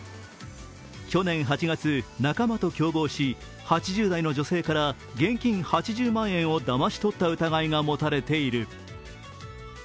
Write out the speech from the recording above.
去年８月、仲間と共謀し８０代の女性から現金８０万円をだまし取った疑いが持たれている。